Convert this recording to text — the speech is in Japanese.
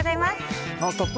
「ノンストップ！」